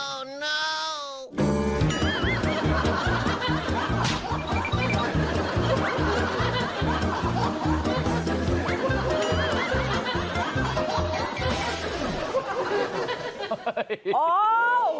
โอ้โห